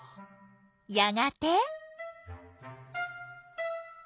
やがて？